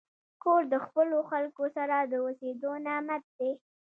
کور د خپلو خلکو سره د اوسېدو نعمت دی.